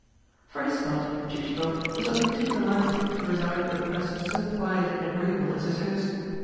For his part, Chichikov was only too delighted to reside with a person so quiet and agreeable as his host.